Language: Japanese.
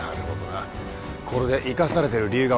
これで生かされてる理由がわかったよ。